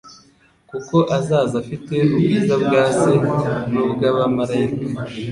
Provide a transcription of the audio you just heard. Kuko "azaza afite ubwiza bwa Se n'ubw'abamaraika."